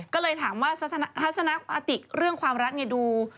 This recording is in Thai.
ก็เลยถามว่าทัศนอาติกเรื่องความรักเนี่ยดู